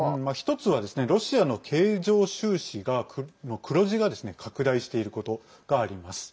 １つはロシアの経常収支の黒字が拡大していることがあります。